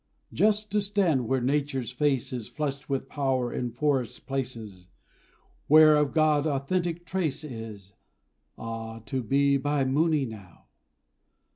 Just to stand where Nature's face is Flushed with power in forest places Where of God authentic trace is Ah, to be by Mooni now!